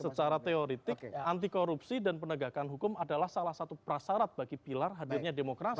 secara teoretik anti korupsi dan penegakan hukum adalah salah satu prasarat bagi pilar hadirnya demokrasi